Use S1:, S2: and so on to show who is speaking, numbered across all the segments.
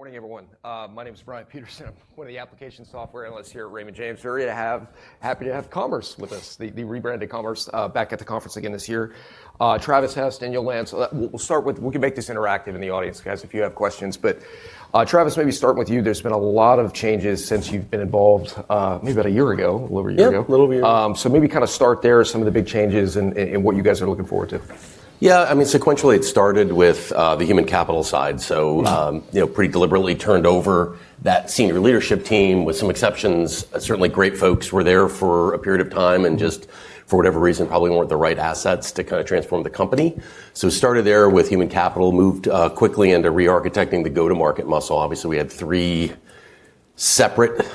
S1: Good morning, everyone. My name is Brian Peterson. I'm one of the application software analysts here at Raymond James. We're really happy to have Commerce with us, the rebranded Commerce, back at the conference again this year. Travis Hess and Daniel Lentz, we'll start with, we can make this interactive in the audience, guys, if you have questions. But Travis, maybe start with you. There's been a lot of changes since you've been involved, maybe about a year ago, a little over a year ago.
S2: Yeah, a little over a year.
S1: So maybe kind of start there, some of the big changes and what you guys are looking forward to.
S2: Yeah, I mean, sequentially, it started with the human capital side. So pretty deliberately turned over that senior leadership team with some exceptions. Certainly great folks were there for a period of time and just, for whatever reason, probably weren't the right assets to kind of transform the company. So we started there with human capital, moved quickly into re-architecting the go-to-market muscle. Obviously, we had three separate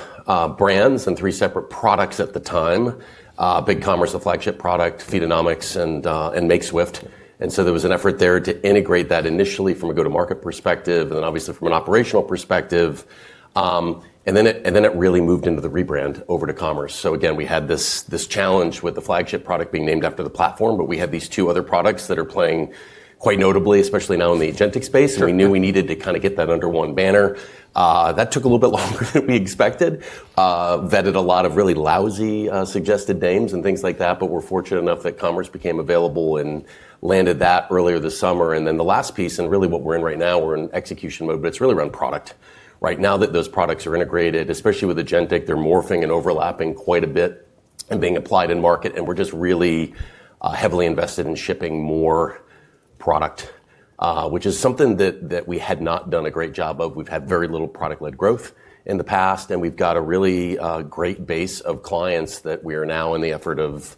S2: brands and three separate products at the time: BigCommerce, the flagship product, Feedonomics, and Makeswift. And so there was an effort there to integrate that initially from a go-to-market perspective and then obviously from an operational perspective. And then it really moved into the rebrand over to Commerce. So again, we had this challenge with the flagship product being named after the platform, but we had these two other products that are playing quite notably, especially now in the agentic space. We knew we needed to kind of get that under one banner. That took a little bit longer than we expected, vetted a lot of really lousy suggested names and things like that, but we're fortunate enough that Commerce became available and landed that earlier this summer. Then the last piece, and really what we're in right now, we're in execution mode, but it's really around product. Right now, those products are integrated, especially with agentic, they're morphing and overlapping quite a bit and being applied in market. We're just really heavily invested in shipping more product, which is something that we had not done a great job of. We've had very little product-led growth in the past, and we've got a really great base of clients that we are now in the effort of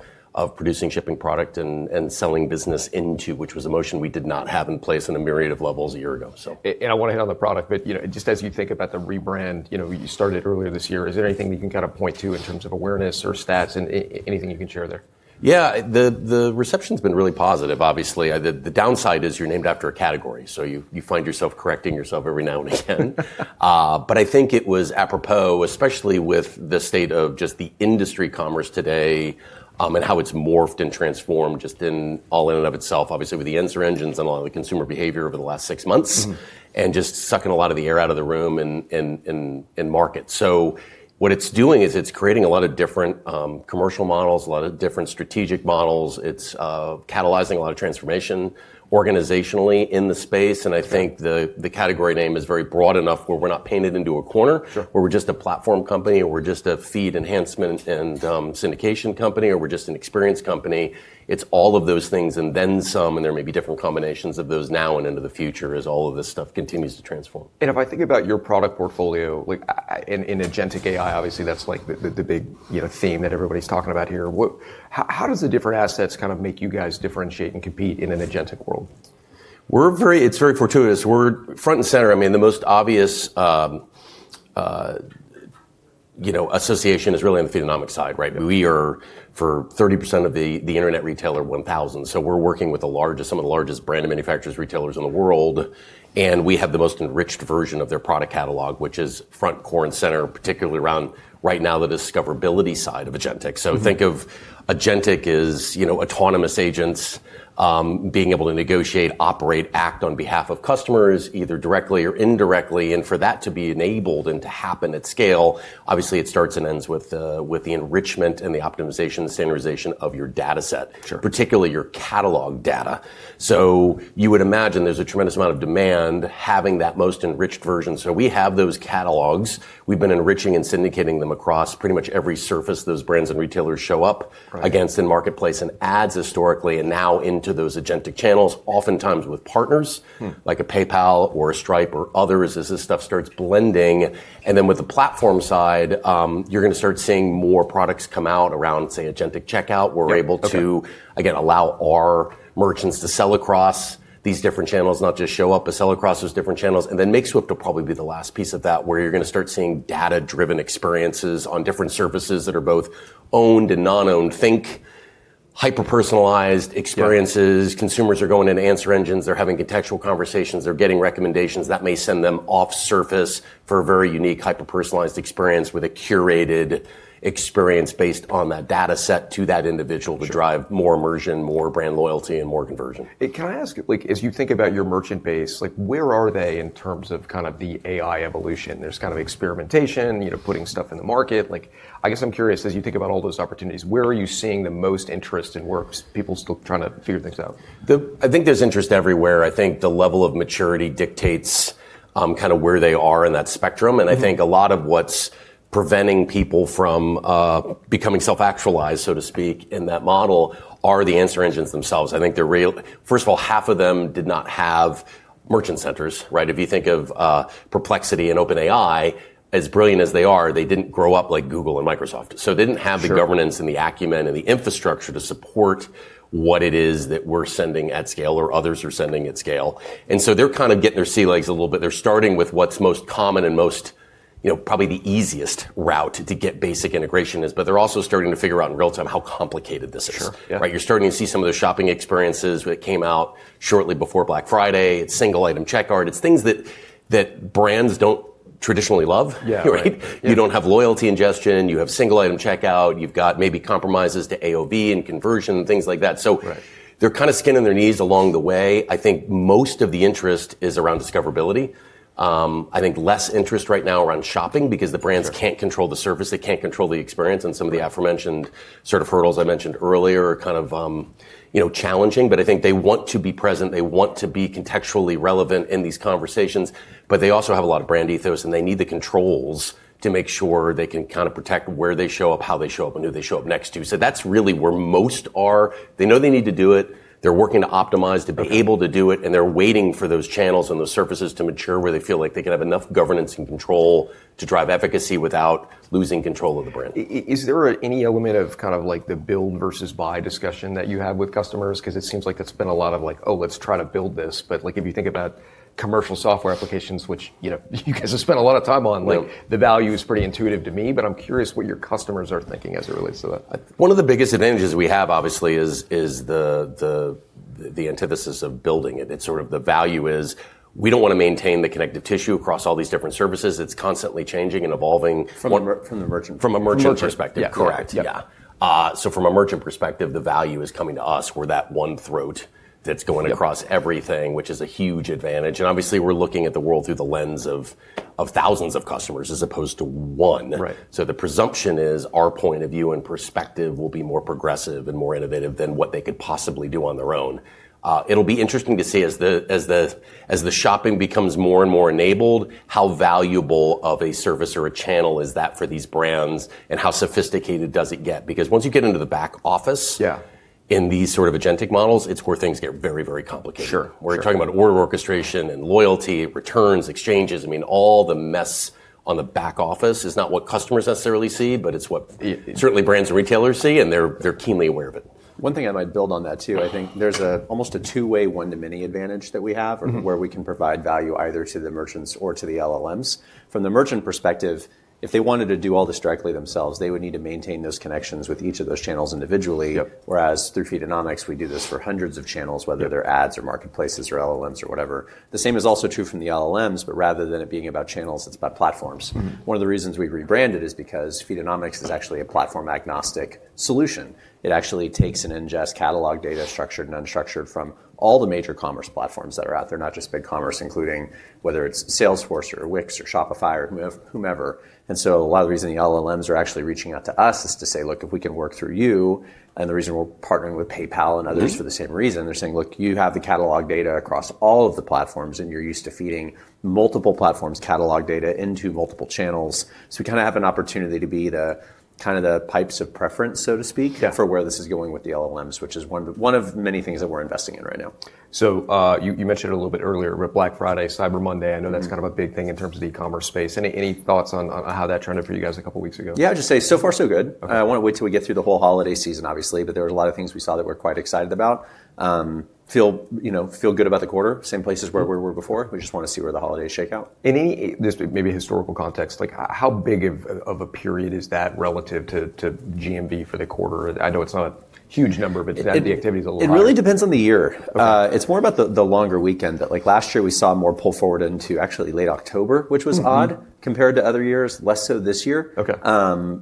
S2: producing shipping product and selling business into, which was a motion we did not have in place in a myriad of levels a year ago.
S1: I want to hit on the product, but just as you think about the rebrand, you started earlier this year. Is there anything that you can kind of point to in terms of awareness or stats and anything you can share there?
S2: Yeah, the reception's been really positive, obviously. The downside is you're named after a category, so you find yourself correcting yourself every now and again, but I think it was apropos, especially with the state of just the industry Commerce today and how it's morphed and transformed just all in and of itself, obviously with the answer engines and a lot of the consumer behavior over the last six months and just sucking a lot of the air out of the room and market, so what it's doing is it's creating a lot of different commercial models, a lot of different strategic models. It's catalyzing a lot of transformation organizationally in the space. I think the category name is very broad enough where we're not painted into a corner, where we're just a platform company, or we're just a feed enhancement and syndication company, or we're just an experience company. It's all of those things and then some, and there may be different combinations of those now and into the future as all of this stuff continues to transform.
S1: If I think about your product portfolio in agentic AI, obviously that's like the big theme that everybody's talking about here. How does the different assets kind of make you guys differentiate and compete in an agentic world?
S2: It's very fortuitous. We're front and center. I mean, the most obvious association is really on the Feedonomics side. We are for 30% of the Internet Retailer 1000. So we're working with some of the largest brand and manufacturers, retailers in the world. And we have the most enriched version of their product catalog, which is front, core and center, particularly around right now the discoverability side of agentic. So think of agentic as autonomous agents being able to negotiate, operate, act on behalf of customers either directly or indirectly. And for that to be enabled and to happen at scale, obviously it starts and ends with the enrichment and the optimization, the standardization of your data set, particularly your catalog data. So you would imagine there's a tremendous amount of demand having that most enriched version. So we have those catalogs. We've been enriching and syndicating them across pretty much every surface those brands and retailers show up against in marketplace and ads historically and now into those agentic channels, oftentimes with partners like a PayPal or a Stripe or others as this stuff starts blending, and then with the platform side, you're going to start seeing more products come out around, say, agentic checkout. We're able to, again, allow our merchants to sell across these different channels, not just show up but sell across those different channels, and then Makeswift will probably be the last piece of that where you're going to start seeing data-driven experiences on different services that are both owned and non-owned. Think hyper-personalized experiences. Consumers are going into answer engines. They're having contextual conversations. They're getting recommendations that may send them off surface for a very unique hyper-personalized experience with a curated experience based on that data set to that individual to drive more immersion, more brand loyalty, and more conversion.
S1: Can I ask, as you think about your merchant base, where are they in terms of kind of the AI evolution? There's kind of experimentation, putting stuff in the market. I guess I'm curious, as you think about all those opportunities, where are you seeing the most interest in where people are still trying to figure things out?
S2: I think there's interest everywhere. I think the level of maturity dictates kind of where they are in that spectrum. And I think a lot of what's preventing people from becoming self-actualized, so to speak, in that model are the answer engines themselves. I think they're real, first of all, half of them did not have merchant centers. If you think of Perplexity and OpenAI, as brilliant as they are, they didn't grow up like Google and Microsoft. So they didn't have the governance and the acumen and the infrastructure to support what it is that we're sending at scale or others are sending at scale. And so they're kind of getting their sea legs a little bit. They're starting with what's most common and probably the easiest route to get basic integration is, but they're also starting to figure out in real time how complicated this is. You're starting to see some of the shopping experiences that came out shortly before Black Friday. It's single item checkout. It's things that brands don't traditionally love. You don't have loyalty integration. You have single item checkout. You've got maybe compromises to AOV and conversion, things like that. So they're kind of skinning their knees along the way. I think most of the interest is around discoverability. I think less interest right now around shopping because the brands can't control the service. They can't control the experience, and some of the aforementioned sort of hurdles I mentioned earlier are kind of challenging, but I think they want to be present. They want to be contextually relevant in these conversations, but they also have a lot of brand ethos and they need the controls to make sure they can kind of protect where they show up, how they show up, and who they show up next to, so that's really where most are. They know they need to do it. They're working to optimize to be able to do it, and they're waiting for those channels and those surfaces to mature where they feel like they can have enough governance and control to drive efficacy without losing control of the brand.
S1: Is there any element of kind of like the build versus buy discussion that you have with customers? Because it seems like that's been a lot of like, oh, let's try to build this. But if you think about commercial software applications, which you guys have spent a lot of time on, the value is pretty intuitive to me, but I'm curious what your customers are thinking as it relates to that.
S2: One of the biggest advantages we have, obviously, is the antithesis of building it. It's sort of the value is we don't want to maintain the connective tissue across all these different services. It's constantly changing and evolving.
S1: From the merchant perspective.
S2: From a merchant perspective, correct. Yeah. So from a merchant perspective, the value is coming to us. We're that one throat that's going across everything, which is a huge advantage. And obviously, we're looking at the world through the lens of thousands of customers as opposed to one. So the presumption is our point of view and perspective will be more progressive and more innovative than what they could possibly do on their own. It'll be interesting to see as the shopping becomes more and more enabled, how valuable of a service or a channel is that for these brands and how sophisticated does it get? Because once you get into the back office in these sort of agentic models, it's where things get very, very complicated.
S1: Sure.
S2: We're talking about order orchestration and loyalty, returns, exchanges. I mean, all the mess on the back office is not what customers necessarily see, but it's what certainly brands and retailers see, and they're keenly aware of it.
S3: One thing I might build on that too, I think there's almost a two-way one-to-many advantage that we have where we can provide value either to the merchants or to the LLMs. From the merchant perspective, if they wanted to do all this directly themselves, they would need to maintain those connections with each of those channels individually. Whereas through Feedonomics, we do this for hundreds of channels, whether they're ads or marketplaces or LLMs or whatever. The same is also true from the LLMs, but rather than it being about channels, it's about platforms. One of the reasons we rebranded is because Feedonomics is actually a platform-agnostic solution. It actually takes and ingests catalog data structured and unstructured from all the major commerce platforms that are out there, not just BigCommerce, including whether it's Salesforce or Wix or Shopify or whomever. And so a lot of the reason the LLMs are actually reaching out to us is to say, look, if we can work through you, and the reason we're partnering with PayPal and others for the same reason, they're saying, look, you have the catalog data across all of the platforms and you're used to feeding multiple platforms' catalog data into multiple channels. So we kind of have an opportunity to be the kind of the pipes of preference, so to speak, for where this is going with the LLMs, which is one of many things that we're investing in right now.
S1: So you mentioned it a little bit earlier, Black Friday, Cyber Monday. I know that's kind of a big thing in terms of the e-commerce space. Any thoughts on how that turned out for you guys a couple of weeks ago?
S3: Yeah, I'd just say so far, so good. I want to wait till we get through the whole holiday season, obviously, but there were a lot of things we saw that we're quite excited about. Feel good about the quarter, same places where we were before. We just want to see where the holidays shake out.
S1: In any maybe historical context, how big of a period is that relative to GMV for the quarter? I know it's not a huge number, but it's definitely activity is a lot.
S3: It really depends on the year. It's more about the longer weekend. Last year, we saw more pull forward into actually late October, which was odd compared to other years, less so this year.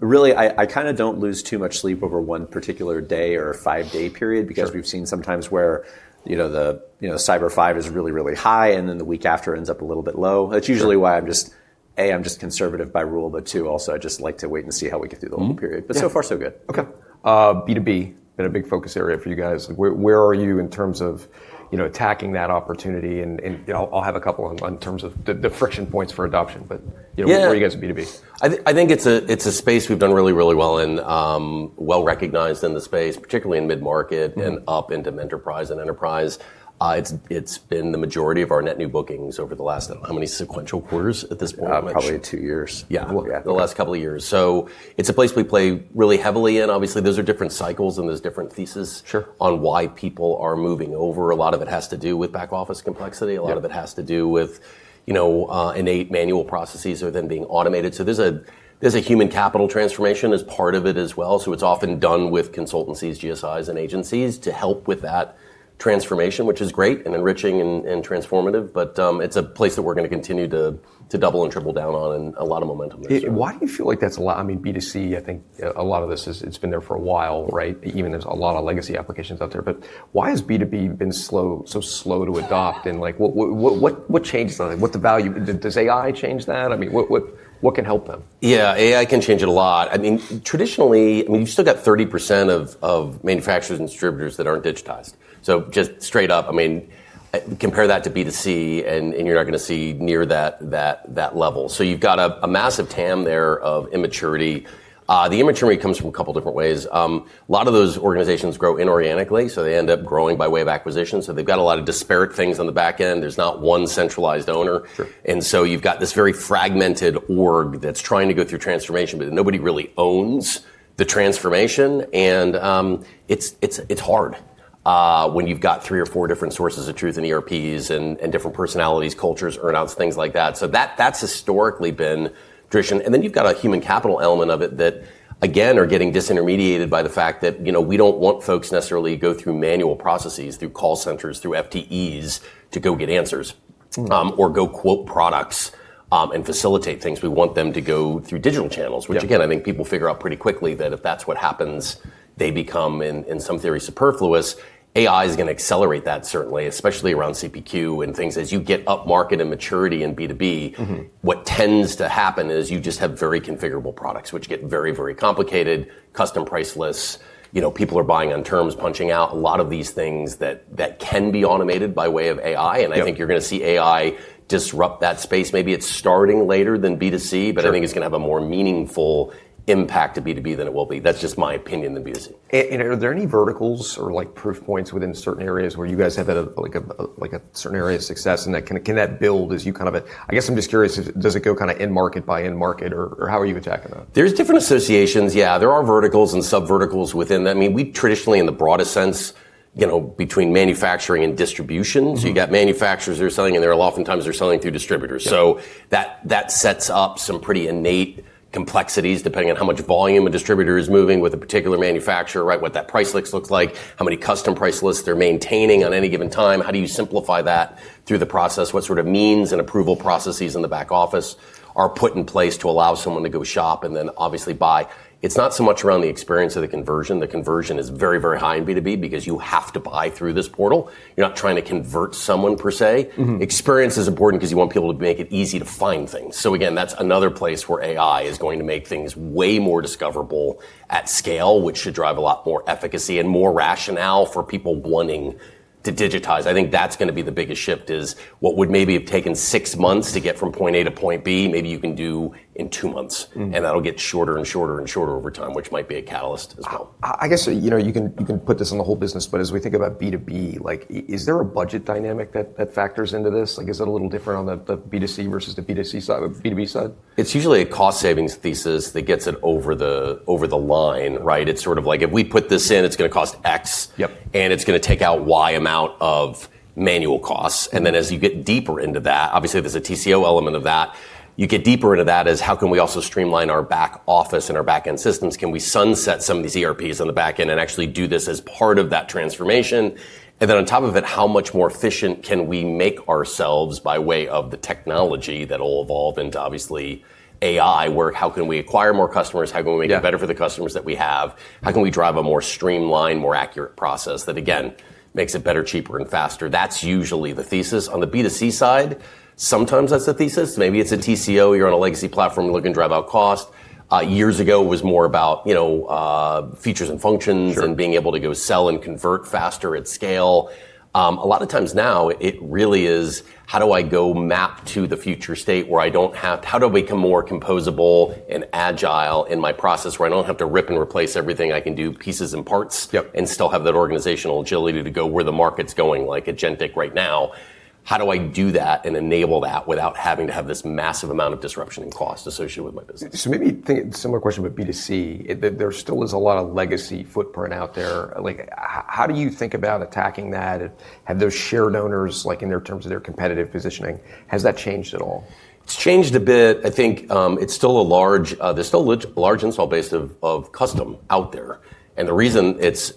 S3: Really, I kind of don't lose too much sleep over one particular day or five-day period because we've seen sometimes where the Cyber Five is really, really high and then the week after ends up a little bit low. That's usually why I'm just, A, I'm just conservative by rule, but two, also I just like to wait and see how we get through the whole period, but so far, so good.
S1: Okay. B2B, been a big focus area for you guys. Where are you in terms of attacking that opportunity? and I'll have a couple in terms of the friction points for adoption, but where are you guys at B2B?
S2: I think it's a space we've done really, really well in, well recognized in the space, particularly in mid-market and up into enterprise. It's been the majority of our net new bookings over the last,
S1: how many sequential quarters at this point?
S3: Probably two years.
S2: Yeah, the last couple of years. So it's a place we play really heavily in. Obviously, those are different cycles and there's different theses on why people are moving over. A lot of it has to do with back office complexity. A lot of it has to do with innate manual processes or them being automated. So there's a human capital transformation as part of it as well. So it's often done with consultancies, GSIs, and agencies to help with that transformation, which is great and enriching and transformative, but it's a place that we're going to continue to double and triple down on and a lot of momentum this year.
S1: Why do you feel like that's a lot? I mean, B2C, I think a lot of this has been there for a while, right? Even there's a lot of legacy applications out there, but why has B2B been so slow to adopt? And what changed that? What's the value? Does AI change that? I mean, what can help them?
S2: Yeah, AI can change it a lot. I mean, traditionally, I mean, you still got 30% of manufacturers and distributors that aren't digitized. So just straight up, I mean, compare that to B2C and you're not going to see near that level. So you've got a massive TAM there of immaturity. The immaturity comes from a couple of different ways. A lot of those organizations grow inorganically, so they end up growing by way of acquisition. So they've got a lot of disparate things on the back end. There's not one centralized owner. And so you've got this very fragmented org that's trying to go through transformation, but nobody really owns the transformation. And it's hard when you've got three or four different sources of truth and ERPs and different personalities, cultures, earn-outs, things like that. So that's historically been tradition. Then you've got a human capital element of it that, again, are getting disintermediated by the fact that we don't want folks necessarily to go through manual processes, through call centers, through FTEs to go get answers or go quote products and facilitate things. We want them to go through digital channels, which again, I think people figure out pretty quickly that if that's what happens, they become in some theory superfluous. AI is going to accelerate that certainly, especially around CPQ and things. As you get up market and maturity in B2B, what tends to happen is you just have very configurable products, which get very, very complicated, custom price lists. People are buying on terms, punching out a lot of these things that can be automated by way of AI. And I think you're going to see AI disrupt that space. Maybe it's starting later than B2C, but I think it's going to have a more meaningful impact to B2B than it will to B2C. That's just my opinion.
S1: Are there any verticals or proof points within certain areas where you guys have a certain area of success? And can that build as you kind of, I guess I'm just curious, does it go kind of end market by end market or how are you attacking that?
S2: There's different associations. Yeah, there are verticals and sub-verticals within that. I mean, we traditionally, in the broadest sense, between manufacturing and distribution, so you've got manufacturers that are selling and there are oftentimes they're selling through distributors. So that sets up some pretty innate complexities depending on how much volume a distributor is moving with a particular manufacturer, what that price list looks like, how many custom price lists they're maintaining on any given time. How do you simplify that through the process? What sort of means and approval processes in the back office are put in place to allow someone to go shop and then obviously buy? It's not so much around the experience of the conversion. The conversion is very, very high in B2B because you have to buy through this portal. You're not trying to convert someone per se. Experience is important because you want people to make it easy to find things. So again, that's another place where AI is going to make things way more discoverable at scale, which should drive a lot more efficacy and more rationale for people wanting to digitize. I think that's going to be the biggest shift is what would maybe have taken six months to get from point A to point B, maybe you can do in two months. And that'll get shorter and shorter and shorter over time, which might be a catalyst as well.
S1: I guess you can put this on the whole business, but as we think about B2B, is there a budget dynamic that factors into this? Is it a little different on the B2C versus the B2B side?
S2: It's usually a cost savings thesis that gets it over the line. It's sort of like if we put this in, it's going to cost X and it's going to take out Y amount of manual costs, and then as you get deeper into that, obviously there's a TCO element of that. You get deeper into that as how can we also streamline our back office and our back-end systems? Can we sunset some of these ERPs on the back end and actually do this as part of that transformation, and then on top of it, how much more efficient can we make ourselves by way of the technology that will evolve into obviously AI? How can we acquire more customers? How can we make it better for the customers that we have? How can we drive a more streamlined, more accurate process that again makes it better, cheaper, and faster? That's usually the thesis. On the B2C side, sometimes that's the thesis. Maybe it's a TCO. You're on a legacy platform looking to drive out cost. Years ago, it was more about features and functions and being able to go sell and convert faster at scale. A lot of times now, it really is how do I go map to the future state where I don't have, how do I become more composable and agile in my process where I don't have to rip and replace everything? I can do pieces and parts and still have that organizational agility to go where the market's going, like agentic right now. How do I do that and enable that without having to have this massive amount of disruption and cost associated with my business?
S1: So maybe similar question, but B2C, there still is a lot of legacy footprint out there. How do you think about attacking that? Have those shared owners, in terms of their competitive positioning, has that changed at all?
S2: It's changed a bit. I think it's still a large, there's still a large installed base of custom out there. And the reason it's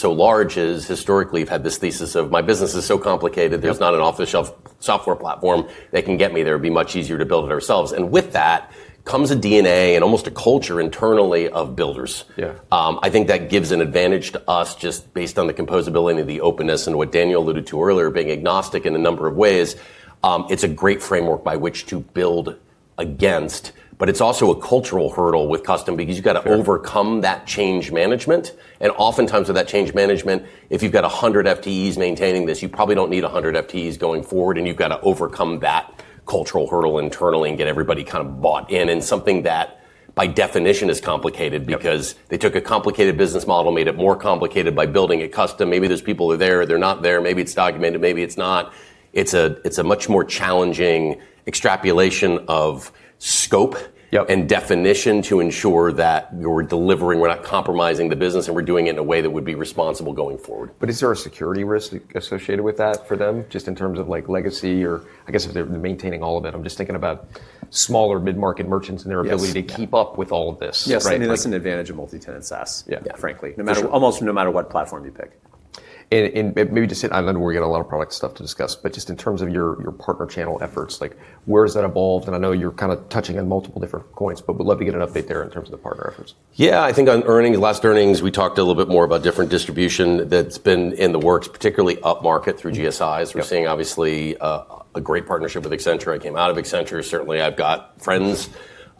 S2: so large is historically you've had this thesis of my business is so complicated, there's not an off-the-shelf software platform that can get me. There would be much easier to build it ourselves. And with that comes a DNA and almost a culture internally of builders. I think that gives an advantage to us just based on the composability and the openness and what Daniel alluded to earlier, being agnostic in a number of ways. It's a great framework by which to build against, but it's also a cultural hurdle with custom because you've got to overcome that change management. And oftentimes with that change management, if you've got 100 FTEs maintaining this, you probably don't need 100 FTEs going forward, and you've got to overcome that cultural hurdle internally and get everybody kind of bought in, and something that by definition is complicated because they took a complicated business model, made it more complicated by building it custom. Maybe there's people who are there, they're not there. Maybe it's documented, maybe it's not. It's a much more challenging extrapolation of scope and definition to ensure that we're delivering, we're not compromising the business, and we're doing it in a way that would be responsible going forward.
S1: But is there a security risk associated with that for them just in terms of legacy or I guess if they're maintaining all of it? I'm just thinking about smaller mid-mcvvvvvvvvarket merchants and their ability to keep up with all of this.
S3: Yes, and that's an advantage of multi-tenant SaaS, frankly, almost no matter what platform you pick.
S1: And maybe just, I know we're getting a lot of product stuff to discuss, but just in terms of your partner channel efforts, where has that evolved? And I know you're kind of touching on multiple different points, but we'd love to get an update there in terms of the partner efforts.
S2: Yeah, I think on earnings, last earnings, we talked a little bit more about different distribution that's been in the works, particularly up market through GSIs. We're seeing obviously a great partnership with Accenture. I came out of Accenture. Certainly, I've got friends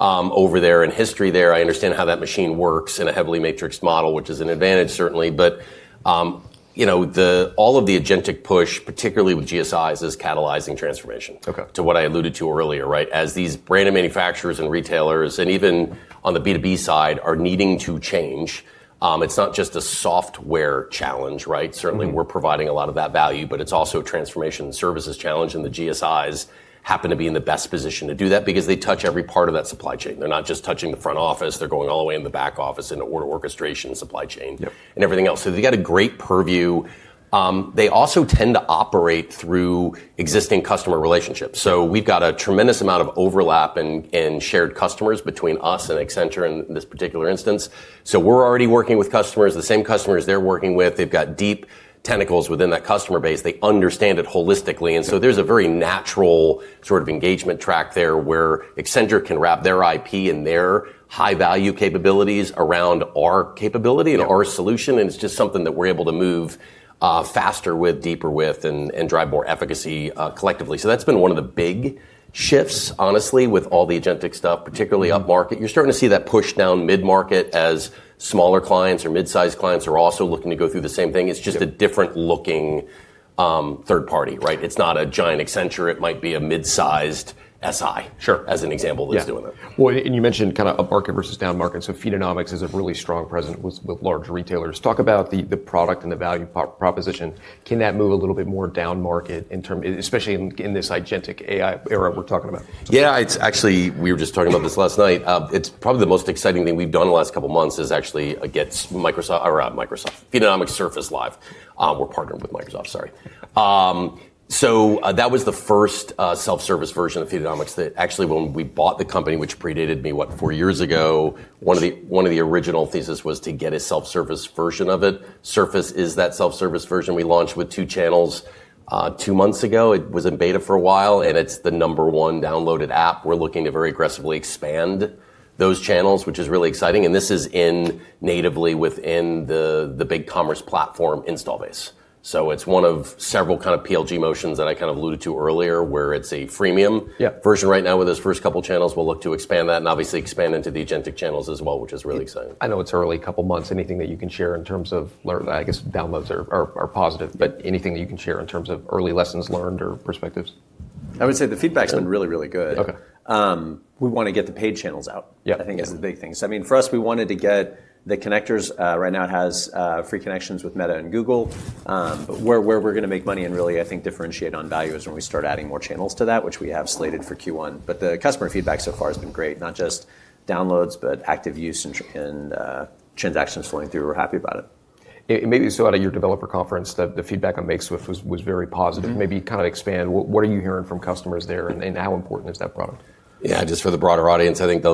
S2: over there and history there. I understand how that machine works in a heavily matrixed model, which is an advantage certainly. But all of the agentic push, particularly with GSIs, is catalyzing transformation to what I alluded to earlier, as these branded manufacturers and retailers and even on the B2B side are needing to change. It's not just a software challenge. Certainly, we're providing a lot of that value, but it's also a transformation services challenge. And the GSIs happen to be in the best position to do that because they touch every part of that supply chain. They're not just touching the front office. They're going all the way in the back office, in order orchestration, supply chain, and everything else, so they've got a great purview. They also tend to operate through existing customer relationships, so we've got a tremendous amount of overlap in shared customers between us and Accenture in this particular instance, so we're already working with customers, the same customers they're working with. They've got deep tentacles within that customer base. They understand it holistically, and so there's a very natural sort of engagement track there where Accenture can wrap their IP and their high-value capabilities around our capability and our solution, and it's just something that we're able to move faster with, deeper with, and drive more efficacy collectively, so that's been one of the big shifts, honestly, with all the agentic stuff, particularly up market. You're starting to see that push down mid-market as smaller clients or mid-sized clients are also looking to go through the same thing. It's just a different looking third party. It's not a giant Accenture. It might be a mid-sized SI, as an example that's doing that.
S1: Well, and you mentioned kind of up market versus down market. So Feedonomics is a really strong presence with large retailers. Talk about the product and the value proposition. Can that move a little bit more down market in terms, especially in this agentic AI era we're talking about?
S2: Yeah, it's actually, we were just talking about this last night. It's probably the most exciting thing we've done in the last couple of months is actually get Microsoft Feedonomics Surface live. We're partnered with Microsoft, sorry. So that was the first self-service version of Feedonomics that actually when we bought the company, which predated me, what, four years ago, one of the original theses was to get a self-service version of it. Surface is that self-service version we launched with two channels two months ago. It was in beta for a while and it's the number one downloaded app. We're looking to very aggressively expand those channels, which is really exciting, and this is integrated natively within the BigCommerce platform install base. So it's one of several kind of PLG motions that I kind of alluded to earlier where it's a freemium version right now with those first couple of channels. We'll look to expand that and obviously expand into the agentic channels as well, which is really exciting.
S1: I know it's early, couple of months. Anything that you can share in terms of, I guess, downloads are positive, but anything that you can share in terms of early lessons learned or perspectives?
S3: I would say the feedback has been really, really good. We want to get the paid channels out, I think, is a big thing. So I mean, for us, we wanted to get the connectors. Right now it has free connections with Meta and Google. But where we're going to make money and really, I think, differentiate on value is when we start adding more channels to that, which we have slated for Q1. But the customer feedback so far has been great, not just downloads, but active use and transactions flowing through. We're happy about it.
S1: It may be so at your developer conference that the feedback on Makeswift was very positive. Maybe kind of expand, what are you hearing from customers there and how important is that product?
S2: Yeah, just for the broader audience, I think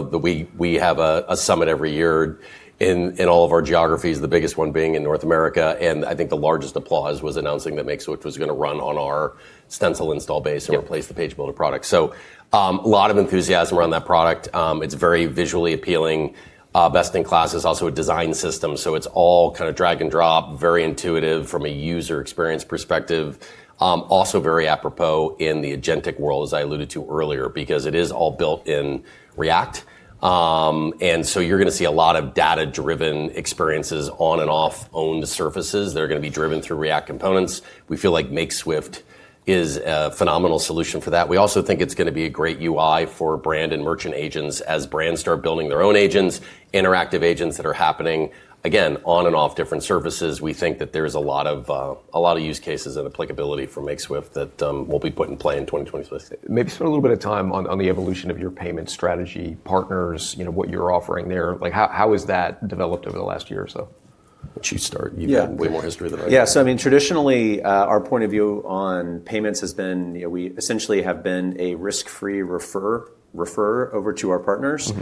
S2: we have a summit every year in all of our geographies, the biggest one being in North America. And I think the largest applause was announcing that Makeswift was going to run on our Stencil install base and replace the Page Builder product. So a lot of enthusiasm around that product. It's very visually appealing, best in class, it's also a design system. So it's all kind of drag and drop, very intuitive from a user experience perspective. Also very apropos in the agentic world, as I alluded to earlier, because it is all built in React. And so you're going to see a lot of data-driven experiences on and off-owned surfaces. They're going to be driven through React components. We feel like Makeswift is a phenomenal solution for that. We also think it's going to be a great UI for brand and merchant agents as brands start building their own agents, interactive agents that are happening, again, on and off different services. We think that there's a lot of use cases and applicability for Makeswift that we'll be putting in play in 2026.
S1: Maybe spend a little bit of time on the evolution of your payment strategy, partners, what you're offering there. How has that developed over the last year or so?
S2: You start, you've got way more history than I do.
S3: Yeah, so I mean, traditionally, our point of view on payments has been, we essentially have been a risk-free referrer over to our partners.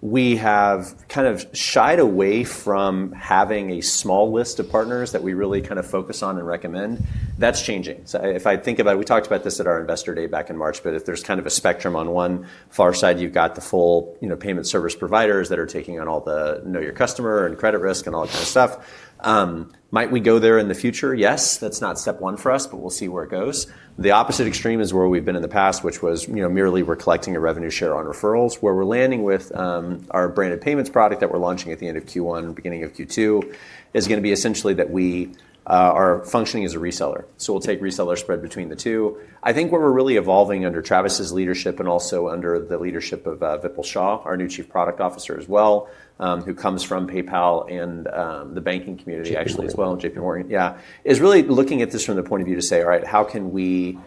S3: We have kind of shied away from having a small list of partners that we really kind of focus on and recommend. That's changing. So if I think about it, we talked about this at our investor day back in March, but if there's kind of a spectrum on one far side, you've got the full payment service providers that are taking on all the know your customer and credit risk and all that kind of stuff. Might we go there in the future? Yes, that's not step one for us, but we'll see where it goes. The opposite extreme is where we've been in the past, which was merely we're collecting a revenue share on referrals where we're landing with our branded payments product that we're launching at the end of Q1, beginning of Q2, is going to be essentially that we are functioning as a reseller. So we'll take reseller spread between the two. I think what we're really evolving under Travis's leadership and also under the leadership of Vipul Shah, our new Chief Product Officer as well, who comes from PayPal and the banking community actually as well, JPMorgan. Yeah, is really looking at this from the point of view to say, all right, how can we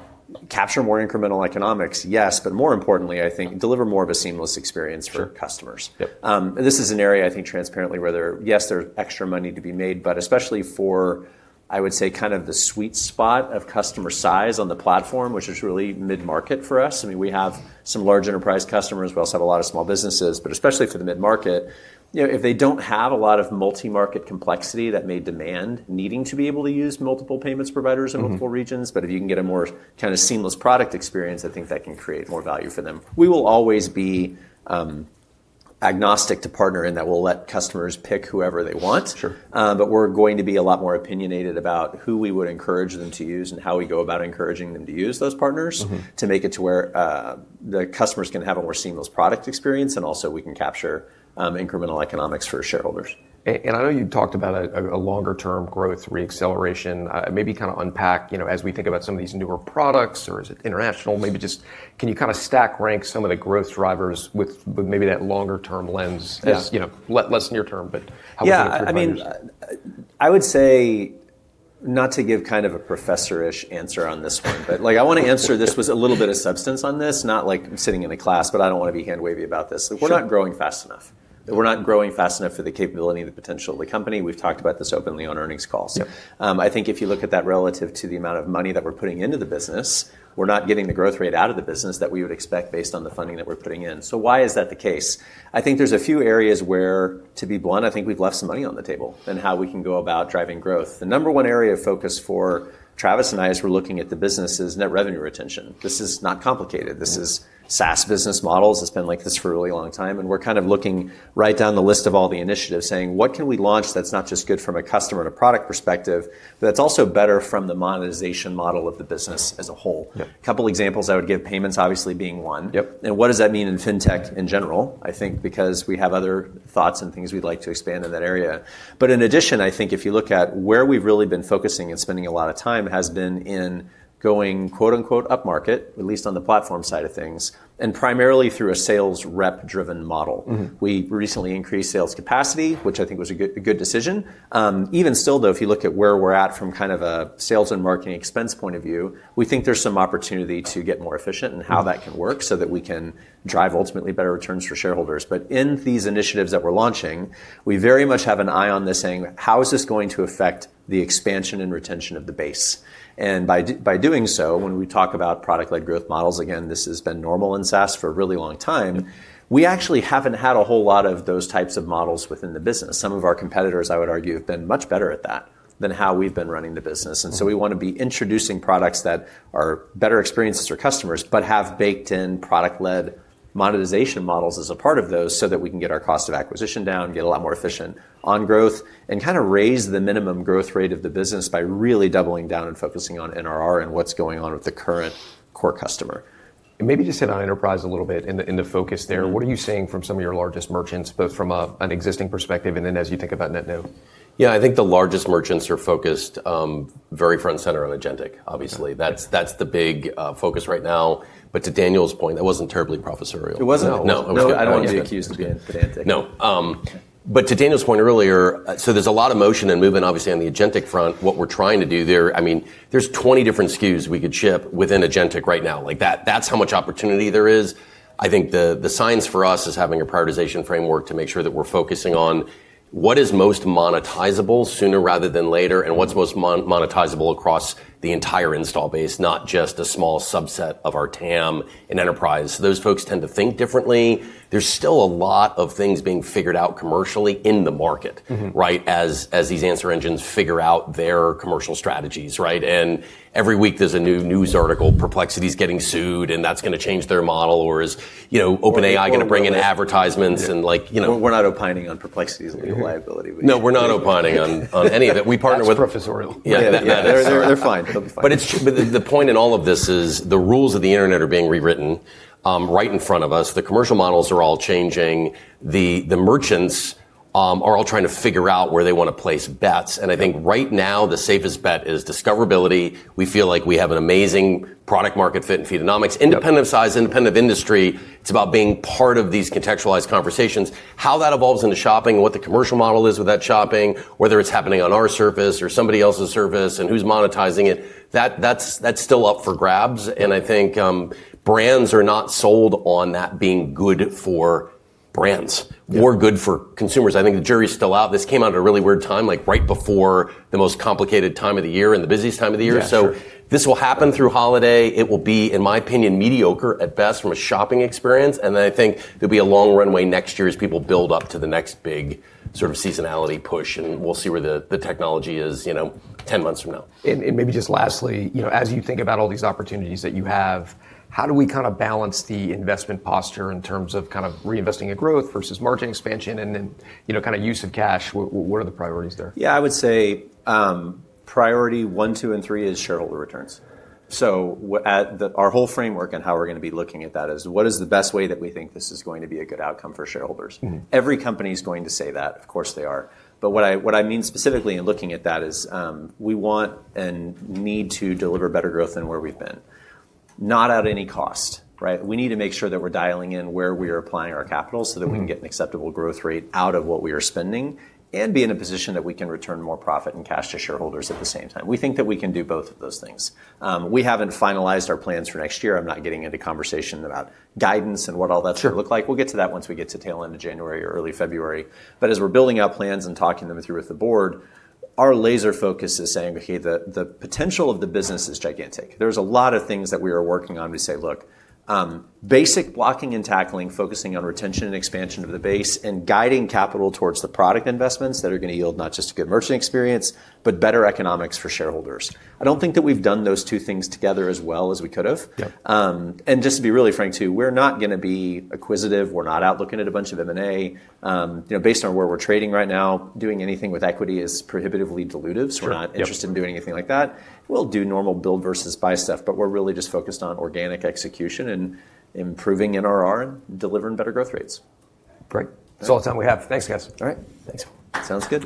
S3: capture more incremental economics? Yes, but more importantly, I think deliver more of a seamless experience for customers. This is an area, I think, transparently where there, yes, there's extra money to be made, but especially for, I would say, kind of the sweet spot of customer size on the platform, which is really mid-market for us. I mean, we have some large enterprise customers. We also have a lot of small businesses, but especially for the mid-market, if they don't have a lot of multi-market complexity, that may demand needing to be able to use multiple payments providers in multiple regions. But if you can get a more kind of seamless product experience, I think that can create more value for them. We will always be agnostic to partner in that we'll let customers pick whoever they want, but we're going to be a lot more opinionated about who we would encourage them to use and how we go about encouraging them to use those partners to make it to where the customer's going to have a more seamless product experience and also we can capture incremental economics for shareholders.
S1: And I know you talked about a longer-term growth reacceleration. Maybe kind of unpack as we think about some of these newer products or is it international? Maybe just can you kind of stack rank some of the growth drivers with maybe that longer-term lens? Less near term, but how would you interpret that?
S3: Yeah, I mean, I would say not to give kind of a professor-ish answer on this one, but I want to answer this with a little bit of substance on this, not like sitting in a class, but I don't want to be hand-wavy about this. We're not growing fast enough. We're not growing fast enough for the capability and the potential of the company. We've talked about this openly on earnings calls. I think if you look at that relative to the amount of money that we're putting into the business, we're not getting the growth rate out of the business that we would expect based on the funding that we're putting in. So why is that the case? I think there's a few areas where, to be blunt, I think we've left some money on the table and how we can go about driving growth. The number one area of focus for Travis and I as we're looking at the business is net revenue retention. This is not complicated. This is SaaS business models. It's been like this for a really long time. And we're kind of looking right down the list of all the initiatives saying, what can we launch that's not just good from a customer and a product perspective, but that's also better from the monetization model of the business as a whole? A couple of examples I would give payments obviously being one. And what does that mean in fintech in general? I think because we have other thoughts and things we'd like to expand in that area. But in addition, I think if you look at where we've really been focusing and spending a lot of time has been in going quote unquote up market, at least on the platform side of things, and primarily through a sales rep-driven model. We recently increased sales capacity, which I think was a good decision. Even still though, if you look at where we're at from kind of a sales and marketing expense point of view, we think there's some opportunity to get more efficient and how that can work so that we can drive ultimately better returns for shareholders. But in these initiatives that we're launching, we very much have an eye on this saying, how is this going to affect the expansion and retention of the base? And by doing so, when we talk about product-led growth models, again, this has been normal in SaaS for a really long time. We actually haven't had a whole lot of those types of models within the business. Some of our competitors, I would argue, have been much better at that than how we've been running the business. And so we want to be introducing products that are better experiences for customers, but have baked-in product-led monetization models as a part of those so that we can get our cost of acquisition down, get a lot more efficient on growth, and kind of raise the minimum growth rate of the business by really doubling down and focusing on NRR and what's going on with the current core customer.
S1: Maybe just hit on enterprise a little bit in the focus there. What are you seeing from some of your largest merchants, both from an existing perspective and then as you think about net new?
S2: Yeah, I think the largest merchants are focused very front and center on agentic, obviously. That's the big focus right now. But to Daniel's point, that wasn't terribly professorial.
S1: It wasn't?
S3: No, it wasn't. I don't want you to accuse me of pedantic.
S2: No. But to Daniel's point earlier, so there's a lot of motion and movement, obviously, on the agentic front. What we're trying to do there, I mean, there's 20 different SKUs we could ship within agentic right now. That's how much opportunity there is. I think the science for us is having a prioritization framework to make sure that we're focusing on what is most monetizable sooner rather than later and what's most monetizable across the entire install base, not just a small subset of our TAM and enterprise. Those folks tend to think differently. There's still a lot of things being figured out commercially in the market as these answer engines figure out their commercial strategies. And every week there's a new news article, Perplexity is getting sued and that's going to change their model. Or is OpenAI going to bring in advertisements and like.
S1: We're not opining on Perplexity's legal liability.
S2: No, we're not opining on any of it. We partner with.
S1: That's professorial.
S2: Yeah, they're fine. But the point in all of this is the rules of the internet are being rewritten right in front of us. The commercial models are all changing. The merchants are all trying to figure out where they want to place bets. And I think right now the safest bet is discoverability. We feel like we have an amazing product market fit in Feedonomics, independent of size, independent of industry. It's about being part of these contextualized conversations. How that evolves into shopping and what the commercial model is with that shopping, whether it's happening on our service or somebody else's service and who's monetizing it, that's still up for grabs. And I think brands are not sold on that being good for brands or good for consumers. I think the jury's still out. This came out at a really weird time, like right before the most complicated time of the year and the busiest time of the year. So this will happen through holiday. It will be, in my opinion, mediocre at best from a shopping experience. And then I think there'll be a long runway next year as people build up to the next big sort of seasonality push. And we'll see where the technology is 10 months from now.
S1: And maybe just lastly, as you think about all these opportunities that you have, how do we kind of balance the investment posture in terms of kind of reinvesting in growth versus margin expansion and kind of use of cash? What are the priorities there?
S3: Yeah, I would say priority one, two, and three is shareholder returns. So our whole framework and how we're going to be looking at that is what is the best way that we think this is going to be a good outcome for shareholders? Every company is going to say that, of course they are. But what I mean specifically in looking at that is we want and need to deliver better growth than where we've been, not at any cost. We need to make sure that we're dialing in where we are applying our capital so that we can get an acceptable growth rate out of what we are spending and be in a position that we can return more profit and cash to shareholders at the same time. We think that we can do both of those things. We haven't finalized our plans for next year. I'm not getting into conversation about guidance and what all that's going to look like. We'll get to that once we get to tail end of January or early February. But as we're building out plans and talking them through with the board, our laser focus is saying, okay, the potential of the business is gigantic. There's a lot of things that we are working on to say, look, basic blocking and tackling, focusing on retention and expansion of the base and guiding capital towards the product investments that are going to yield not just a good merchant experience, but better economics for shareholders. I don't think that we've done those two things together as well as we could have. And just to be really frank too, we're not going to be acquisitive. We're not out looking at a bunch of M&A. Based on where we're trading right now, doing anything with equity is prohibitively dilutive. So we're not interested in doing anything like that. We'll do normal build versus buy stuff, but we're really just focused on organic execution and improving NRR and delivering better growth rates.
S1: Great. That's all the time we have. Thanks, guys.
S3: All right.
S1: Thanks.
S3: Sounds good.